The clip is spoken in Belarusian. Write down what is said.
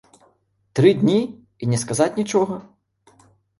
Тры дні і не сказаць нічога?!